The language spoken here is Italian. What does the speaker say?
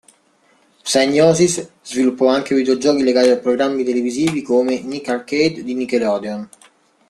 Psygnosis sviluppò anche videogiochi legati a programmi televisivi come "Nick Arcade" di Nickelodeon.